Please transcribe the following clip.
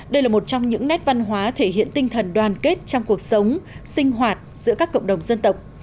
đây là một trong những nét văn hóa thể hiện tinh thần đoàn kết trong cuộc sống sinh hoạt giữa các cộng đồng dân tộc